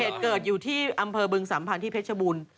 เหตุเกิดอยู่ที่อำเภอบึงสัมพันธ์ที่เพชรบูรณ์